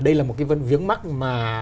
đây là một cái vấn viếng mắc mà